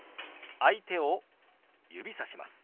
相手を指さします。